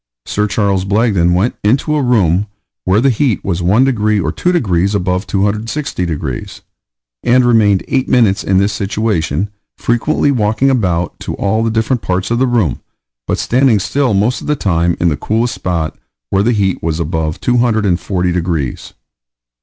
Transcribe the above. Sir Charles Blagden went into a room where the heat was 1 degree or 2 degrees above 260 degrees, and remained eight minutes in this situation, frequently walking about to all the different parts of the room, but standing still most of the time in the coolest spot, where the heat was above 240 degrees.